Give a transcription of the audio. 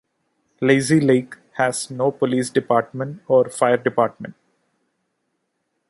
Lazy Lake has no police department or fire department.